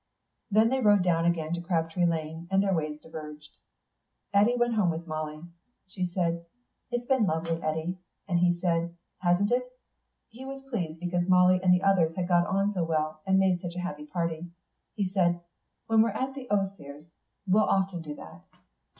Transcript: Then they rowed down again to Crabtree Lane, and their ways diverged. Eddy went home with Molly. She said, "It's been lovely, Eddy," and he said "Hasn't it." He was pleased, because Molly and the others had got on so well and made such a happy party. He said, "When we're at the Osiers we'll often do that."